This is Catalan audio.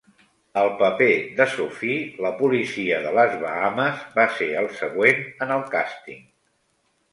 El paper de Sophie, la policia de les Bahames, va ser el següent en el càsting.